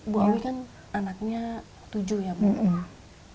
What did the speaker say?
buat ibu kan anaknya tujuh ya bu